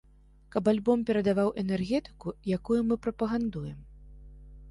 Каб альбом перадаваў энергетыку, якую мы прапагандуем.